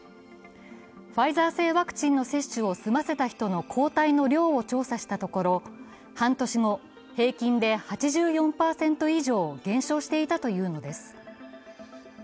ファイザー製ワクチンの接種を済ませた人の抗体の量を調査したところ、半年後平均で８４％以上減少していたというのです。